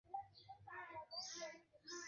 অতি চালাকের গলায় দড়ি।